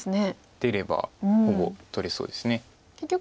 出ればほぼ取れそうです。